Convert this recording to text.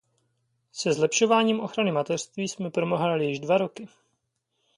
Se zlepšováním ochrany mateřství jsme promrhali již dva roky.